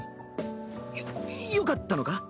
よよかったのか？